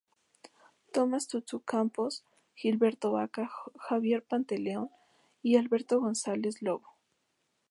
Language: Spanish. Tomás Tutú Campos, Gilberto Vaca, Javier Pantaleón y Alberto González Lobo.